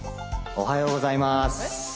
おはようございます。